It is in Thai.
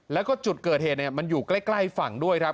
แล้วก็จุดเกิดเหตุมันอยู่ใกล้ฝั่งด้วยครับ